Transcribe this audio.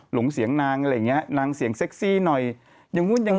หลงเสียงนางอะไรอย่างนี้นางเสียงเซ็กซี่หน่อย